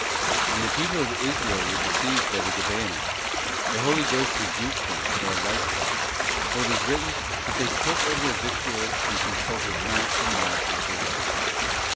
'* When "———— the people of Israel were deceived by the Gabaonites, the Holy Ghost rebuked them for a like fault, for it is written that 'they took of their victuals and consulted not the mouth of the Lord.